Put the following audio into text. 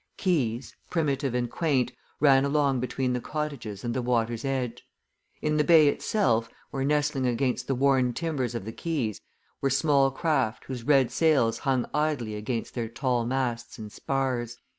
Quays, primitive and quaint, ran along between the old cottages and the water's edge; in the bay itself or nestling against the worn timbers of the quays, were small craft whose red sails hung idly against their tall masts and spars.